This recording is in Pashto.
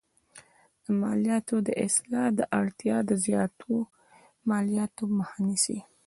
د مالیاتو اصلاح د اړتیا زیاتو مالیاتو مخه نیسي.